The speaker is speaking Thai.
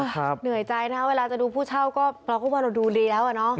เหนื่อยใจนะคะเวลาจะดูผู้เช่าก็เราก็ว่าเราดูดีแล้วอะเนาะ